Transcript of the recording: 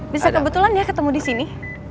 bisa kebetulan ya ketemu di sini